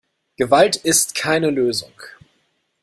Gewalt ist keine Lösung.